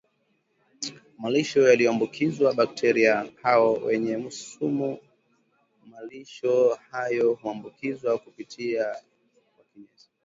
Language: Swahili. malisho yaliyoambukizwa bakteria hao wenye sumu Malisho hayo huambukizwa kupitia kwa kinyesi